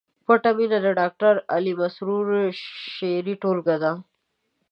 پټه مینه د ډاکټر علي مسرور شعري ټولګه ده